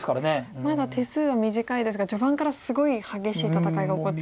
まだ手数は短いですが序盤からすごい激しい戦いが起こってるので。